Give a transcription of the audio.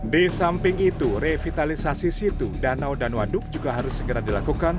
di samping itu revitalisasi situ danau dan waduk juga harus segera dilakukan